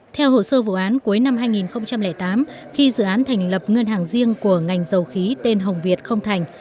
theo hồ sơ vụ án cuối năm hai nghìn tám khi dự án thành lập ngân hàng riêng của ngành dầu khí tên hồng việt không thành